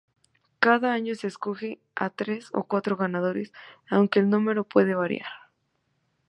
Cada año se escoge a tres o cuatro ganadores, aunque el número puede variar.